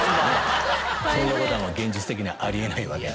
そんなことは現実的にはあり得ないわけで。